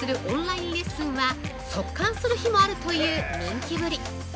オンラインレッスンは即完する日もあるという人気ぶり。